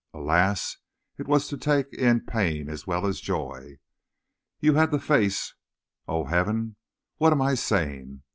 Alas! it was to take in pain as well as joy. You had the face Oh, Heaven! what am I saying?